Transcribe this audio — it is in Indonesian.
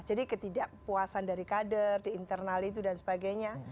jadi ketidakpuasan dari kader di internal itu dan sebagainya